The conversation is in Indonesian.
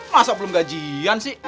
masa belum gajian sih